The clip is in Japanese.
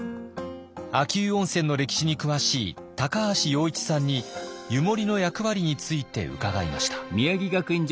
秋保温泉の歴史に詳しい高橋陽一さんに湯守の役割について伺いました。